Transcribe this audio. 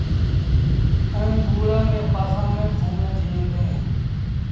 ائيٚݩ ٻوڙآن ري پاسآݩ ميݩ کونڀيٚن ٿئيٚݩ ديٚݩ۔